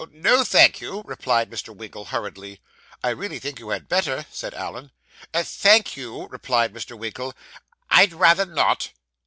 'No, thank you,' replied Mr. Winkle hurriedly. 'I really think you had better,' said Allen. 'Thank you,' replied Mr. Winkle; 'I'd rather not.